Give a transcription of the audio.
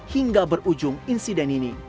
hingga berujung insiden ini